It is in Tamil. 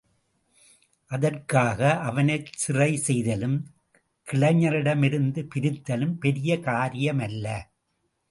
அதற்காக அவனைச் சிறை செய்தலும் கிளைஞரிடமிருந்து பிரித்தலும் பெரிய காரியமல்ல.